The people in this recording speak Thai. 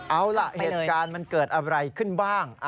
เอาล่ะเหตุการณ์มันเกิดอะไรขึ้นบ้าง